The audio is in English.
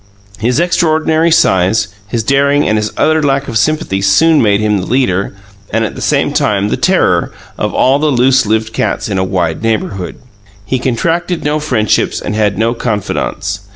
His extraordinary size, his daring and his utter lack of sympathy soon made him the leader and, at the same time, the terror of all the loose lived cats in a wide neighbourhood. He contracted no friendships and had no confidants.